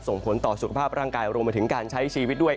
ส่งผลต่อสุขภาพร่างกายรวมไปถึงการใช้ชีวิตด้วย